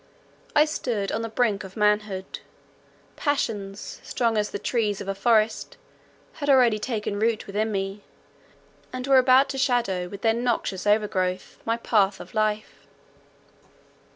I stood on the brink of manhood; passions, strong as the trees of a forest, had already taken root within me, and were about to shadow with their noxious overgrowth, my path of life.